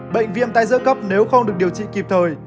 bệnh viêm tai giữa cấp nếu không được điều trị kịp thời